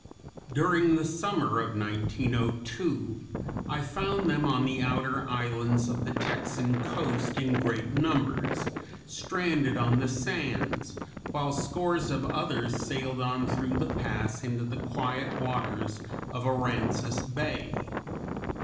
During the summer of 1902 I found them on the outer islands of the Texan coast in great numbers, stranded on the sands, while scores of others sailed on through the pass into the quiet waters of Aransas Bay.